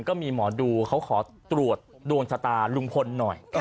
ก็มีหมอดูเขาขอตรวจดวงชะตาลุงพลหน่อย